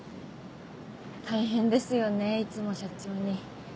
大変ですよねいつも社長に。